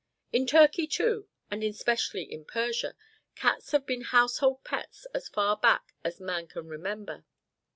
In Turkey too, and especially in Persia, cats have been household pets as far back as man can remember.